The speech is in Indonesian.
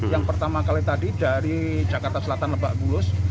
yang pertama kali tadi dari jakarta selatan lebak bulus